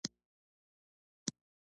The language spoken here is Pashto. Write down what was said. د ژمنتيا څرګندونه کوي؛